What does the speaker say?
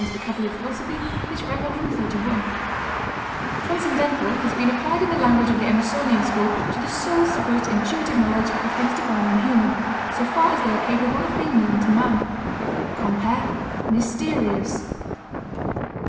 Vocab. Philos. p. 531. Transcendental has been applied in the language of the Emersonian school to the soul's supposed intuitive knowledge of things divine and human, so far as they are capable of being known to man. Compare MYSTERIOUS.